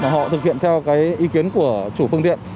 họ thực hiện theo ý kiến của chủ phương tiện